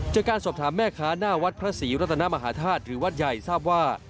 จากการสอบถามแม่ค้าหน้าวัดพระศรีรัตนมหาธาตุหรือวัดใหญ่ทราบว่า